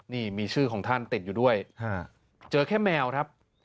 นี่มีชื่อของท่านติดอยู่ด้วยเจอแค่แมวครับ